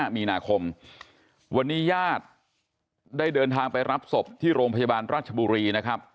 มีนาคมวันนี้ญาติได้เดินทางไปรับศพที่โรงพยาบาลราชบุรีนะครับ